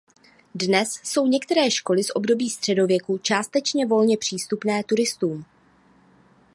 Dnes jsou některé štoly z období středověku částečně volně přístupné turistům.